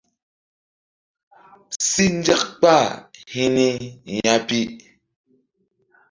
Si nzak kpah hi ni ya pi.